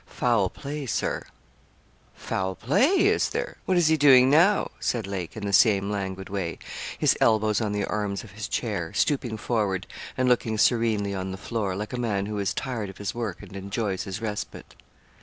'Foul play, Sir.' 'Foul play is there? What is he doing now?' said Lake in the same languid way, his elbows on the arms of his chair, stooping forward, and looking serenely on the floor, like a man who is tired of his work, and enjoys his respite.